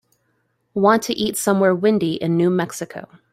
want to eat somewhere windy in New Mexico